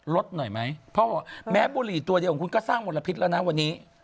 ลดหน่อยไหมพ่อบอกแม้บุหรี่ตัวเดียวของคุณก็สร้างมลพิษแล้วนะวันนี้